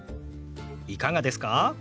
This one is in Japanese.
いかがですか？